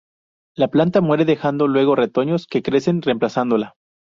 La planta muere dejando luego retoños que crecen reemplazándola.